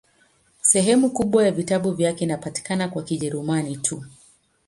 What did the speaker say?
Sehemu kubwa ya vitabu vyake inapatikana kwa Kijerumani tu.